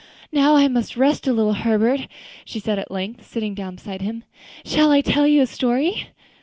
"Now I must rest a little, Herbert," she said at length, sitting down beside him. "Shall I tell you a story?"